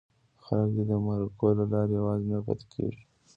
خلک دې د مرکو له لارې یوازې نه پاتې کېږي.